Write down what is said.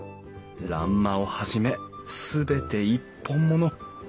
欄間をはじめ全て一本もの。